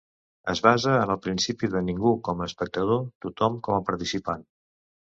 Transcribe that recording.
Es basa en el principi de ningú com a espectador, tothom com a participant.